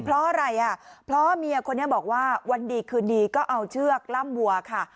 เพราะอะไรอ่ะเพราะเมียคนนี้บอกว่าวันดีคืนดีก็เอาเชือกล่ำวัวค่ะ